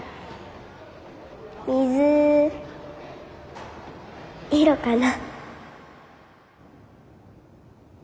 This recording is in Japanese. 水色かな。